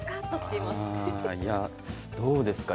いやどうですか。